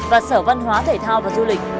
và sở văn hóa thể thao và du lịch